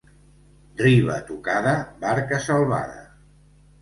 Riba tocada, barca salvada.